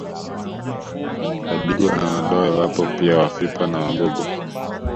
Wadigo na Wadoe wapo pia Wafipa na Wagogo